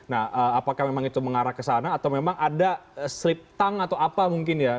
nah apakah memang itu mengarah ke sana atau memang ada slip tank atau apa mungkin ya